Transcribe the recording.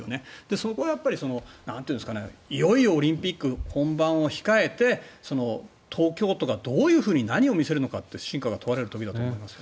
そこはやっぱりいよいよオリンピック本番を控えて東京都がどういうふうに何を見せるのかって真価が問われる時だと思いますよ。